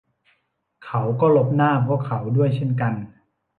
เขาก็หลบหน้าพวกเขาด้วยเช่นกัน